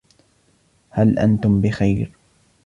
هل أنتم بخير؟